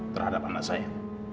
terhadap anak saya